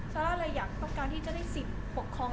ซาร่าเลยอยากต้องการที่จะได้สิทธิ์ปกครอง